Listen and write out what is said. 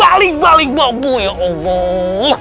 baling baling bambu ya allah